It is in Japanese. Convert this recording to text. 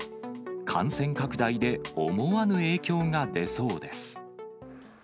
感染拡大で思わぬ影響が出そうです。